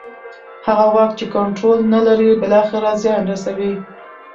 هغه واک چې کنټرول نه لري بالاخره زیان رسوي